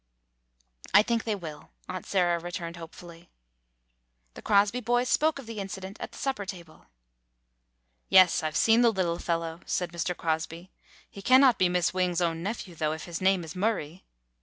"I think they will," Aunt Sarah returned hopefully. The Crosby boys spoke of the incident at the supper table. "Yes, I 've seen the little fellow," said Mr. Crosby. "He cannot be Miss Wing's own nephew though, if his name is Murray."